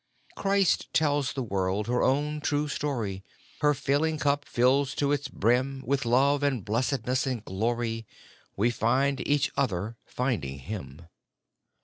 Christ tells the world her own true story ; Her failing cup fills to its brim With love, and blessedness, and glory ; We find each other, finding Him.